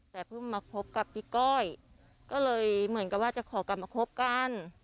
แต่เพิ่งมาคบกับพี่ก้อยก็เลยเหมือนกับว่าจะขอกลับมาคบกัน